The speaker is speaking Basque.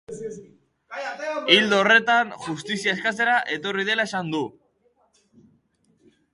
Ildo horretan, justizia eskatzera etorri dela esan du.